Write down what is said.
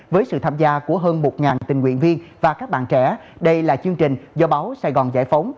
với sự tham gia của hơn một tình nguyện viên và các bạn trẻ đây là chương trình do báo sài gòn giải phóng